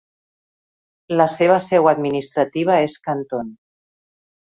La seva seu administrativa és Canton.